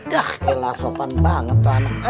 dah gila sopan banget tuh anak